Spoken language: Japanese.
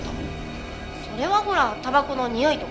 それはほらタバコのにおいとか。